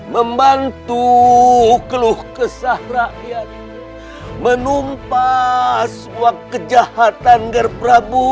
membantu keluh kesah rakyat menumpas kejahatan ger prabu